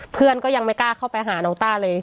เพื่อนก็ยังไม่กล้าเข้าไปหาน้องต้าเลย